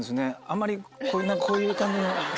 あんまりこういう感じの。